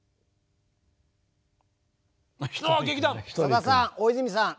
さださん大泉さん